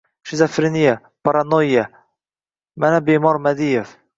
Shizofreniya! Paranoyya! Mana, bemor Madiev...